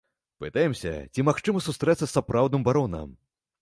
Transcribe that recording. Пытаемся, ці магчыма сустрэцца з сапраўдным баронам.